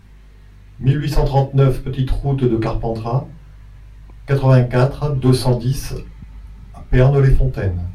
mille huit cent trente-neuf petite Route de Carpentras, quatre-vingt-quatre, deux cent dix à Pernes-les-Fontaines